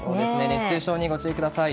熱中症にご注意ください。